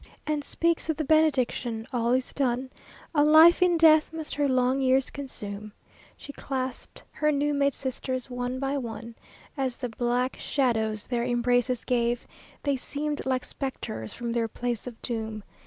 And speaks the benediction; all is done. A life in death must her long years consume She clasped her new made sisters one by one. As the black shadows their embraces gave They seemed like spectres from their place of doom.